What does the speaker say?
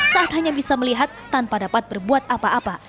saat hanya bisa melihat tanpa dapat berbuat apa apa